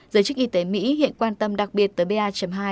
giới chức y tế mỹ hiện quan tâm đặc biệt tới ba hai một mươi hai một